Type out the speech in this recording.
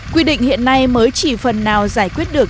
quy định hiện nay mới chỉ phần nào giải quyết được